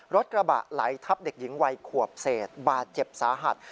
กระบะไหลทับเด็กหญิงวัยขวบเศษบาดเจ็บสาหัส